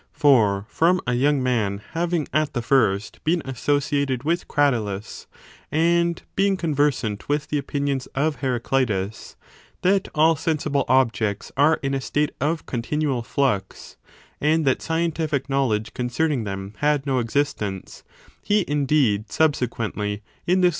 For from a young man having at the first been associated with Cratylus,^ and being conversant with the opinions of Heraclitus, — ^that all sensible objects are in a state of continual flux, and that scientific kno\44edge concerning them had no existence, — ^he, indeed, subsequently in this way came to entertain these suppositions.